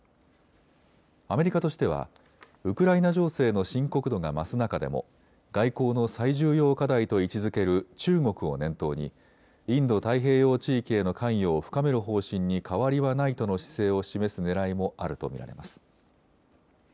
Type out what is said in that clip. アメリカとしてはウクライナ情勢の深刻度が増す中でも外交の最重要課題と位置づける中国を念頭にインド太平洋地域への関与を深める方針に変わりはないとの姿勢を示すねらいもあると見られます。